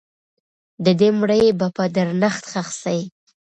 د دې مړي به په درنښت ښخ سي.